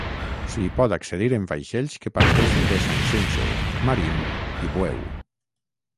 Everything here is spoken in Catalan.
S'hi pot accedir en vaixells que parteixen de Sanxenxo, Marín i Bueu.